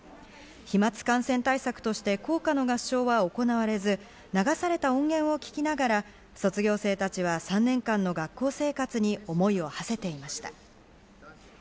飛沫感染対策として校歌の合唱は行われず、流された音源を聴きながら卒業生たちは３年間の学校生活に思いをはせていました。